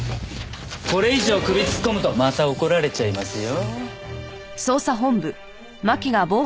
これ以上首突っ込むとまた怒られちゃいますよ。